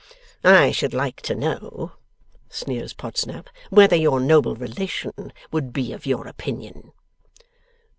'I should like to know,' sneers Podsnap, 'whether your noble relation would be of your opinion.